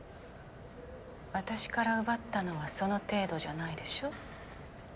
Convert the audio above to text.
私から奪ったのはその程度じゃないでしょ。